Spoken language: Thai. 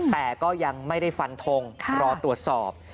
แต่ก็ยังไม่ได้ฟันทงรอตรวจสอบ